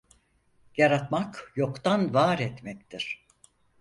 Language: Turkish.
Yaratmak yoktan var etmektir.